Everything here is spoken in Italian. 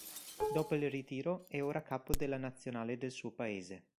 Dopo il ritiro è ora a capo della nazionale del suo paese.